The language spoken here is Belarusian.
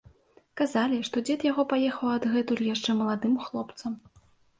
Казалі, што дзед яго паехаў адгэтуль яшчэ маладым хлопцам.